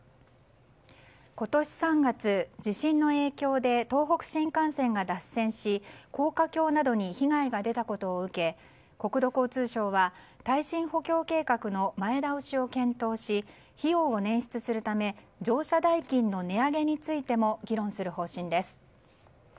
今年３月、地震の影響で東北新幹線が脱線し高架橋などに被害が出たことを受け国土交通省は耐震補強計画の前倒しを検討し費用を捻出するため乗車代金の値上げについても議論する方針です。